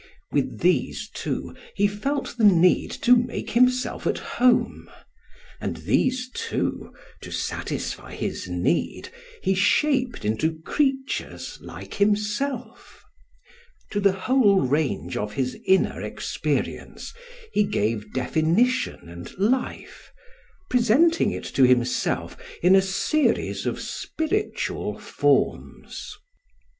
With these too he felt the need to make himself at home, and these too, to satisfy his need, he shaped into creatures like himself. To the whole range of his inner experience he gave definition and life, presenting it to himself in a series of spiritual forms.